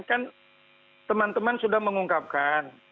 kan teman teman sudah mengungkapkan